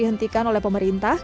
dihentikan oleh pemerintah